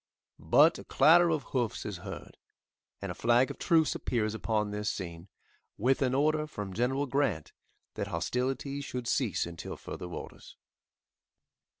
But a clatter of hoofs is heard, and a flag of truce appears upon this scene, with an order from General Grant that hostilities should cease until further orders.